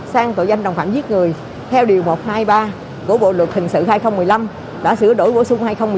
sang tội danh đồng phạm giết người theo điều một trăm hai mươi ba của bộ luật hình sự hai nghìn một mươi năm đã sửa đổi bổ sung hai nghìn một mươi bảy